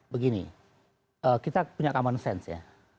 begini kita punya common sense ya